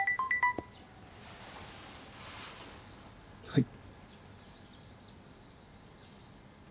はい。